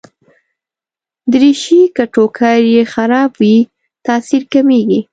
دریشي که ټوکر يې خراب وي، تاثیر کمېږي.